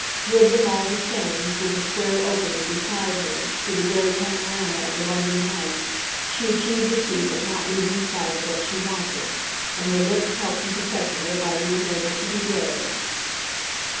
With them, all the same, through the square opening beside her, through the grey panorama of the London night, she achieved the feat of not losing sight of what she wanted; and her lips helped and protected her by being able to be gay.